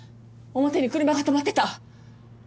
表に車が止まってた。